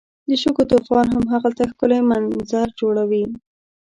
د شګو طوفان هم هلته ښکلی منظر جوړوي.